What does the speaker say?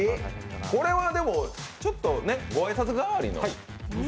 これはでもちょっとご挨拶代わりの。